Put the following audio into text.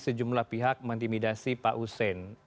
sejumlah pihak mengintimidasi pak hussein